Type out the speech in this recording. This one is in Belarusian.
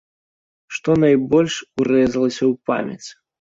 Што найбольш урэзалася ў памяць?